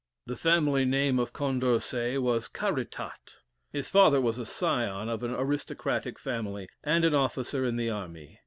The family name of Condorcet was Caritat. His father was a scion of an aristocratic family, and an officer in the army.